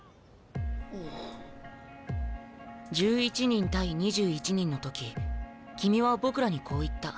１１人対２１人の時君は僕らにこう言った。